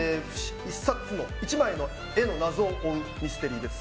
１枚の絵の謎を追うミステリーです。